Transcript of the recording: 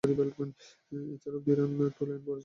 এছাড়াও দুই রান তোলেন যা অপরাজিত অবস্থায় ছিল।